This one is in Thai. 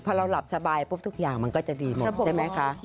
พอเราหลับสบายปุ๊บทุกอย่างมันก็จะดีหมดใช่ไหมคะ